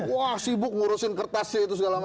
wah sibuk ngurusin kertasnya itu segala macam